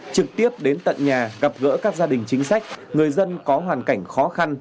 trực tiếp đến tận nhà gặp gỡ các gia đình chính sách người dân có hoàn cảnh khó khăn